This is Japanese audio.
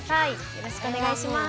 よろしくお願いします。